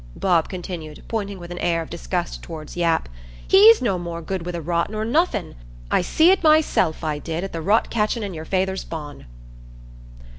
Bob continued, pointing with an air of disgust toward Yap, "he's no more good wi' a rot nor nothin'. I see it myself, I did, at the rot catchin' i' your feyther's barn."